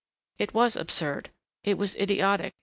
It was absurd. It was idiotic.